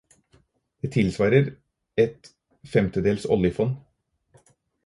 Det tilsvarer et femtedels oljefond.